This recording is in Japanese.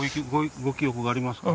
ご記憶がありますか？